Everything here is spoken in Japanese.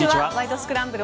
スクランブル」